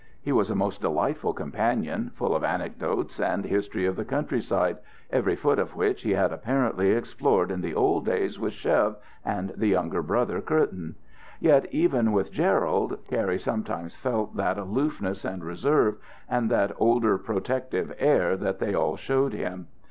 He was a most delightful companion, full of anecdotes and history of the countryside, every foot of which he had apparently explored in the old days with Chev and the younger brother, Curtin. Yet even with Gerald, Cary sometimes felt that aloofness and reserve, and that older protective air that they all showed him.